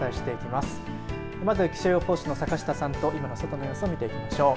まず気象予報士の坂下さんとの今の外の様子を見ていきましょう。